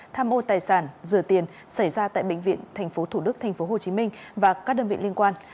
tham ô tài sản rửa tiền xảy ra tại bệnh viện tp thủ đức tp hcm và các đơn vị liên quan